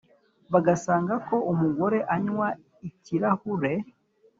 Basanga ko umugore unywa ikirahure